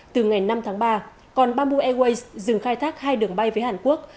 từ ngày năm tháng ba còn bamboo airways dừng khai thác hai đường bay với hàn quốc